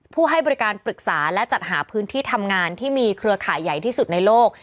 ให้บริการปรึกษาและจัดหาพื้นที่ทำงานที่มีเครือข่ายใหญ่ที่สุดในโลก